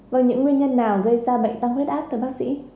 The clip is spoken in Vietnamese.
và những nguyên nhân nào gây ra bệnh tăng huyết áp từ bác sĩ